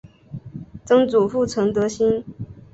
曾祖父陈德兴。